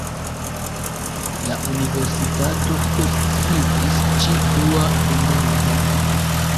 La Universitato postvivis ĉi frua tumulto.